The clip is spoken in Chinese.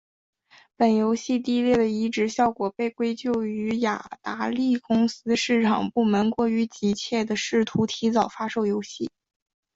本游戏低劣的移植效果被归咎于雅达利公司市场部门过于急切地试图提早发售游戏。